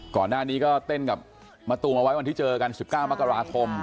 ก่อนหน้านี้ก็เต้นกับมะตูมเอาไว้วันที่เจอกัน๑๙มกราคม